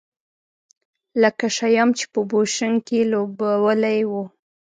لکه شیام چې په بوشونګ کې لوبولی و.